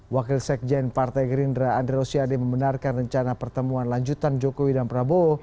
wakil sekjen partai gerindra andre rosiade membenarkan rencana pertemuan lanjutan jokowi dan prabowo